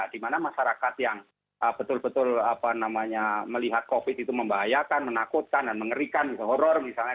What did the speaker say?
di mana masyarakat yang betul betul melihat covid itu membahayakan menakutkan mengerikan horror misalnya